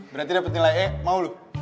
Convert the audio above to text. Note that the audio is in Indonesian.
berarti dapet nilai e mau loh